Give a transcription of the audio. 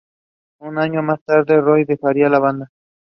Its stated objective is propagating for the establishment of Hindu Rashtra.